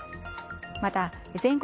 また全国